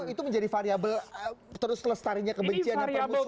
itu menjadi variable terus kelestarinya kebencian yang paling usur